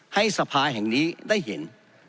ให้สภาแห่งนี้ได้เห็น